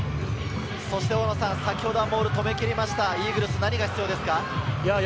先ほどモールを止め切りました、イーグルスには何が必要ですか？